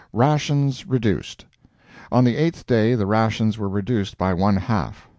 RATIONS REDUCED On the eighth day the rations were reduced about one half.